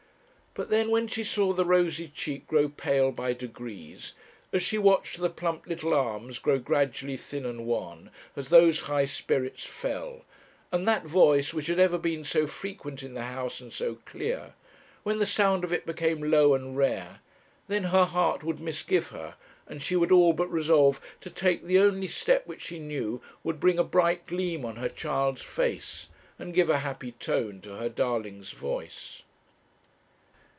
But then, when she saw the rosy cheek grow pale by degrees, as she watched the plump little arms grow gradually thin and wan, as those high spirits fell, and that voice which had ever been so frequent in the house and so clear, when the sound of it became low and rare, then her heart would misgive her, and she would all but resolve to take the only step which she knew would bring a bright gleam on her child's face, and give a happy tone to her darling's voice.